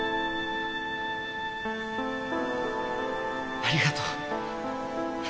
ありがとう。